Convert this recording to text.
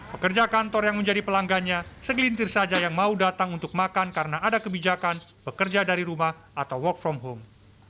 pekerja kantor yang menjadi pelanggannya segelintir saja yang mau datang untuk makan karena ada kebijakan bekerja dari rumah atau work from home